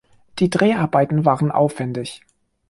Die Dreharbeiten waren aufwändig.